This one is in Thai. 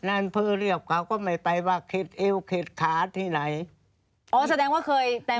นันพื้นเรียกเขาก็ไม่ไปว่าคิดเอวคิดขาดที่ไหนอ๋อแสดงว่าเคยแต่ไม่เคยจังนะ